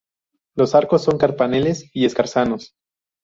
Los arcos son carpaneles y escarzanos.